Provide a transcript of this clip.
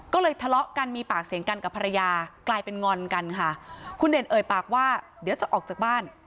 ก็เลยทะเลาะกันมีปากเสียงกันกับภรรยากลายเป็นงอนกันค่ะคุณเด่นเอ่ยปากว่าเดี๋ยวจะออกจากบ้าน